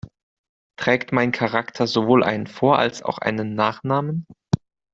Trägt mein Charakter sowohl einen Vor- als auch einen Nachnamen?